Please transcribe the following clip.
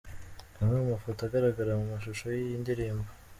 Amwe mu mafoto agaragara mu mashusho y'iyi ndirimbo.